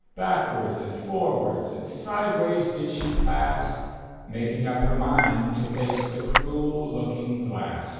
Backwards and forwards and sideways did she pass, Making up her mind to face the cruel looking glass.